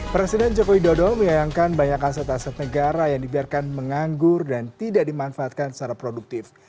presiden jokowi dodo menyayangkan banyak aset aset negara yang dibiarkan menganggur dan tidak dimanfaatkan secara produktif